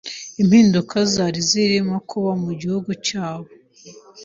impinduka zari zirimo kuba mu gihugu cyabo,